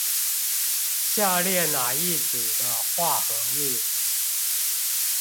下列哪一組的化合物